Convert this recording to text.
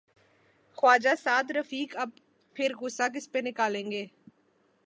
خواجہ سعدرفیق پھر غصہ کس پہ نکالیں گے؟